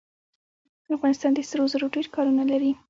افغانستان د سرو زرو ډیر کانونه لري.